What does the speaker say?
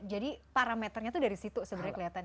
jadi parameternya itu dari situ sebenarnya kelihatan ya